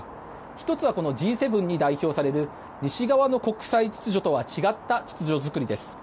１つはＧ７に代表される西側の国際秩序とは違った秩序作りです。